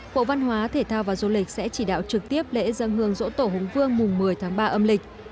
bộ văn hóa thể thao và du lịch sẽ chỉ đạo trực tiếp lễ dân hương dỗ tổ hùng vương mùng một mươi tháng ba âm lịch